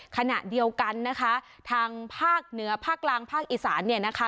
ขณะเดียวกันนะคะทางภาคเหนือภาคกลางภาคอีสานเนี่ยนะคะ